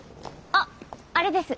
あっあれです